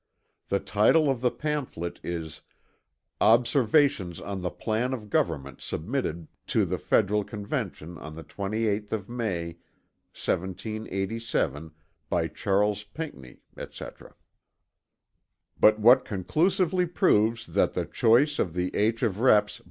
The title of the pamphlet is 'Observations on the plan of Government submitted to the Federal Convention on the 28th of May, 1787, by Charles Pinckney, &c.' "But what conclusively proves that the choice of the H. of Reps.